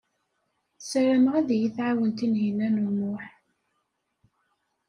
Ssarameɣ ad iyi-tɛawen Tinhinan u Muḥ.